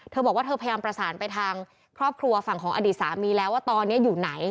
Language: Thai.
เธอบอกว่าเธอพยายามประสานไปทางครอบครัวฝั่งของอดีตสามีแล้วว่าตอนนี้อยู่ไหน